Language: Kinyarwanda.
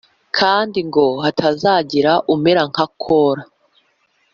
kandi ngo hatazagira umera nka Kora